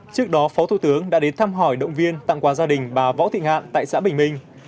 trước đó phó thủ tướng đã đến thăm hỏi động viên tặng quà gia đình bà võ thị hạn tại xã bình minh